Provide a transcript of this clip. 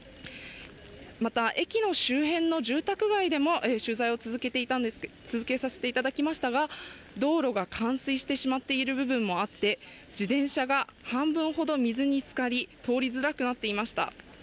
また、駅の周辺の住宅街でも取材を続けさせていただきましたが道路が冠水してしまっている部分もあって、自転車が半分ほど水につかり、通りづらくなっていました。